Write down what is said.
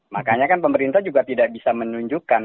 makanya kan pemerintah juga tidak bisa menunjukkan